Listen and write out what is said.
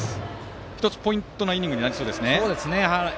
１つ、ポイントのイニングになりそうですね。